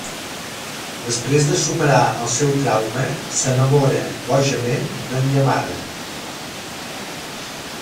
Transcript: Després de superar el seu trauma s'enamora bojament d'en Yamada.